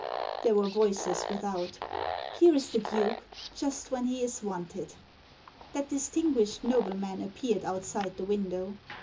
There were voices without "Here is the Duke — ^just when he is wanted." That distinguished nobleman appeared outside the window.